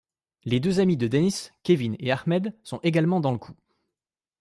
Les deux amis de Dennis, Kevin et Achmed sont également dans le coup.